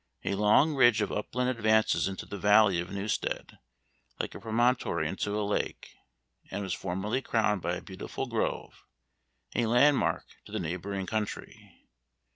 A long ridge of upland advances into the valley of Newstead, like a promontory into a lake, and was formerly crowned by a beautiful grove, a landmark to the neighboring country.